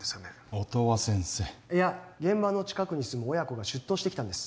音羽先生いや現場の近くに住む親子が出頭してきたんです